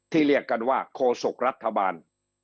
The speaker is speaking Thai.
ที่เรียกกันว่าโฆษกรัฐบาล